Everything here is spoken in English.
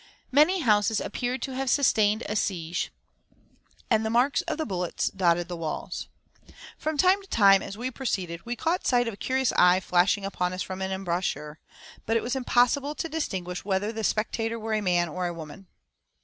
Many houses appeared to have sustained a siege, and the marks of the bullets dotted the walls. From time to time as we proceeded we caught sight of a curious eye flashing upon us from an embrasure; but it was impossible to distinguish whether the spectator were a man or a woman.